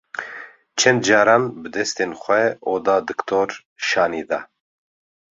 Çend caran bi destên xwe oda diktor şanî da.